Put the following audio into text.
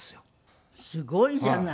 すごいじゃない。